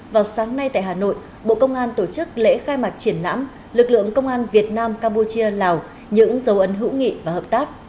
vào sáng nay tại hà nội bộ công an tổ chức lễ khai mạc triển lãm lực lượng công an việt nam campuchia lào những dấu ấn hữu nghị và hợp tác